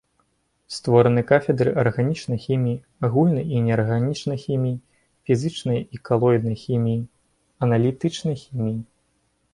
Створаны кафедры арганічнай хіміі, агульнай і неарганічнай хіміі, фізічнай і калоіднай хіміі, аналітычнай хіміі.